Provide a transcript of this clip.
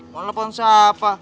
mau telfon siapa